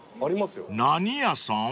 ［何屋さん？］